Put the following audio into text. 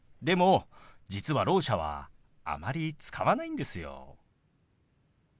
でも実はろう者はあまり使わないんですよ。